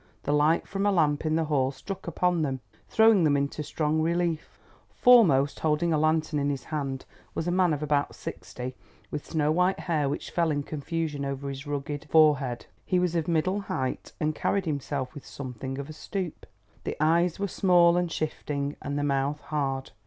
The light from a lamp in the hall struck upon them, throwing them into strong relief. Foremost, holding a lantern in his hand, was a man of about sixty, with snow white hair which fell in confusion over his rugged forehead. He was of middle height and carried himself with something of a stoop. The eyes were small and shifting, and the mouth hard.